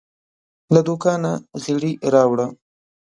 له دوکانه غیړي راوړه